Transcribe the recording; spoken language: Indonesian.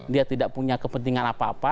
dia tidak punya kepentingan apa apa